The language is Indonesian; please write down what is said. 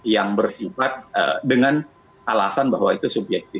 yang bersifat dengan alasan bahwa itu subjektif